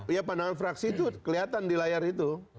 ya pandangan fraksi itu kelihatan di layar itu